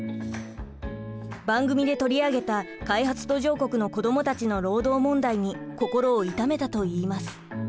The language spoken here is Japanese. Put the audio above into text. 番組で取り上げた開発途上国の子供たちの労働問題に心を痛めたといいます。